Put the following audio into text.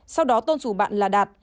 sau đó tôn rủ bạn là đạt